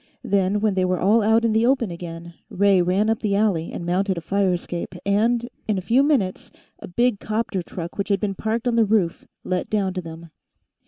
Then, when they were all out in the open again, Ray ran up the alley and mounted a fire escape, and, in a few minutes, a big 'copter truck which had been parked on the roof let down to them.